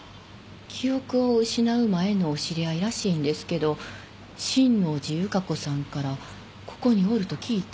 記憶を失う前のお知り合いらしいんですけど「親王寺由加子さんからここにおると聞いた」